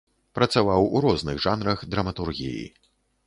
Працаваў ў розных жанрах драматургіі.